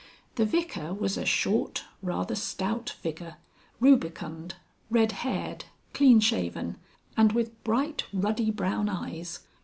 The Vicar was a short, rather stout figure, rubicund, red haired, clean shaven, and with bright ruddy brown eyes.